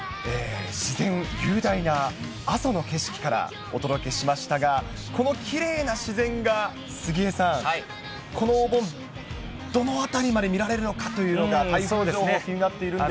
雄大な阿蘇の景色からお届けしましたが、このきれいな自然が杉江さん、このお盆、どのあたりまで見られるのかというのが大変気になっているんです